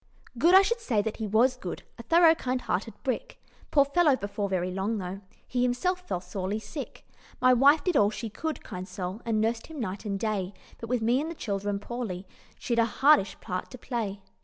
"Good? I should say that he was good, A thorough kind hearted brick Poor fellow! before very long though, He himself fell sorely sick. My wife did all she could, kind soul, And nursed him night and day; But with me and the children poorly, She'd a hardish part to play.